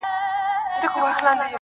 په ځان وهلو باندې خپل غزل ته رنگ ورکوي.